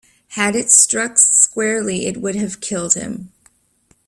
Had it struck squarely it would have killed him.